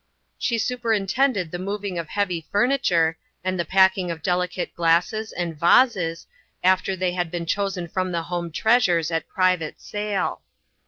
She superintended the moving of heavy furniture, and the packing of delicate glasses and vases, after they had been chosen from the home treasures at private sale.